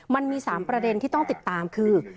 มันมี๓ประเด็นที่ต้องติดตามคือ